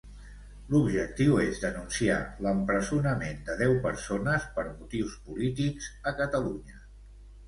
L'objectiu és denunciar l'empresonament de deu persones per motius polítics a Catalunya.